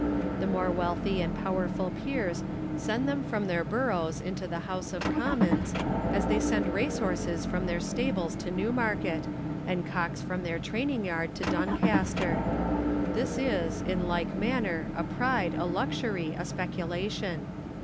The more wealthy and powerful peers send them from their boroughs into the House of Commons, as they send race horses from their stables to Newmarket, and cocks from their training yard to Don caster. This is, in like manner, a pride, a luxury, a specu lation.